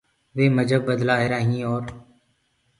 وي مجب بدلآهيرآ هينٚ اور